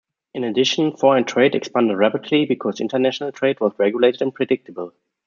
In addition, foreign trade expanded rapidly because international trade was regulated and predictable.